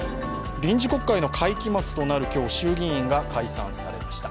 臨時国会の会期末となる今日、衆議院が解散されました。